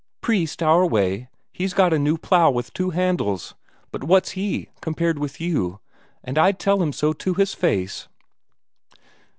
Priest, our way, he's got a new plough with two handles; but what's he, compared with you, and I'd tell him so to his face."